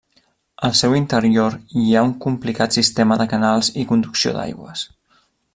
Al seu interior hi ha un complicat sistema de canals i conducció d'aigües.